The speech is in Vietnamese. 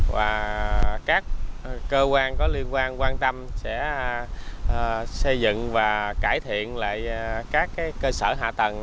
và các cơ quan có liên quan quan tâm sẽ xây dựng và cải thiện lại các cơ sở hạ tầng